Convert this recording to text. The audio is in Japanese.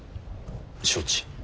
承知。